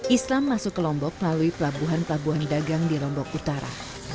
islam masuk ke lombok melalui pelabuhan pelabuhan dagang di lombok utara